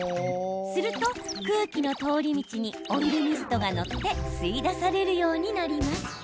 すると、空気の通り道にオイルミストが乗って吸い出されるようになります。